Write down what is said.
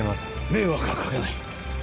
迷惑は掛けない。